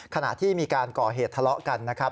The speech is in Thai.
ขณะที่มีการก่อเหตุทะเลาะกันนะครับ